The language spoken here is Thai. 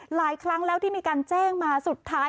หลายครั้งแล้วที่มีการแจ้งมาสุดท้าย